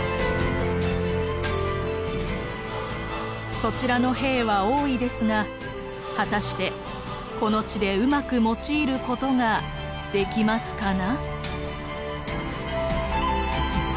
「そちらの兵は多いですが果たしてこの地でうまく用いることができますかな？」。